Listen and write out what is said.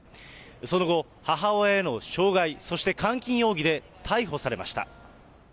その後、母親への傷害、そして監禁容疑で逮捕されました。